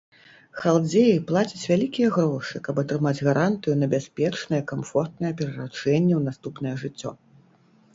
Халдзеі плацяць вялікія грошы, каб атрымаць гарантыю на бяспечнае камфортнае перараджэнне ў наступнае жыццё.